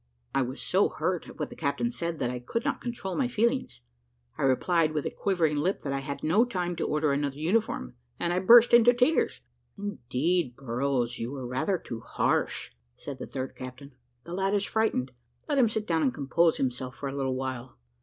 I was so hurt at what the captain said, that I could not control my feelings. I replied with a quivering lip, that "I had had no time to order another uniform" and I burst into tears. "Indeed, Burrows, you are rather too harsh," said the third captain; "the lad is frightened. Let him sit down and compose himself for a little while.